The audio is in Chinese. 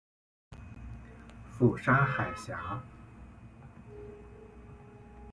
釜山海峡。